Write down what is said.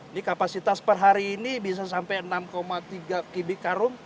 ini kapasitas per hari ini bisa sampai enam tiga kubik karung